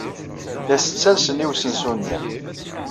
La as-ttalsen i usensu-nni.